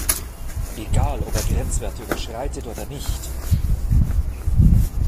Egal ob er Grenzwerte überschreitet oder nicht“.